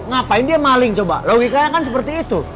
ngapain dia maling coba logikanya kan seperti itu